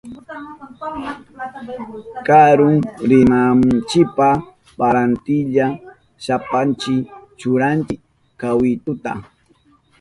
Karuma rinanchipa parantillashpanchi churanchi kawituta.